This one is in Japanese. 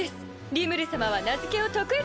リムル様は名付けを得意としてます。